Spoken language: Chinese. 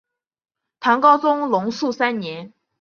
唐高宗龙朔三年。